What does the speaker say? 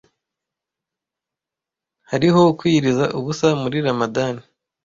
hariho kwiyiriza ubusa muri Ramadhan